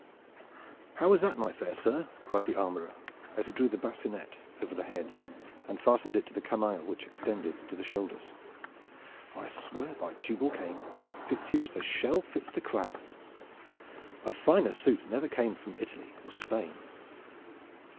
"How is that, my fair sir?" cried the armorer as he drew the bassinet over the head and fastened it to the camail which extended to the shoulders. "I swear by Tubal Cain that it fits you as the shell fits the crab! A finer suit never came from Italy or Spain."